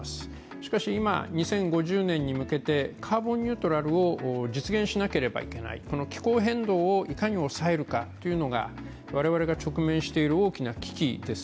しかし、今、２０５０年に向けてカーボンニュートラルを実現しなければいけない、気候変動をいかに抑えるかというのが我々が直面している大きな危機です。